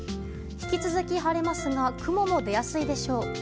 引き続き晴れますが雲も出やすいでしょう。